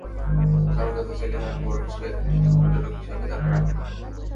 কারণ জানতে চাইলে তারা বলছে, বিদেশি পর্যটকের হিসাব তারা রাখে না।